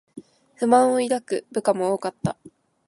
不満を抱く部下も多かった